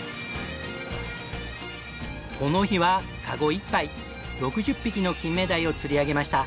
この日はカゴ１杯６０匹の金目鯛を釣り上げました。